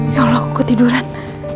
ya allah aku ketiduran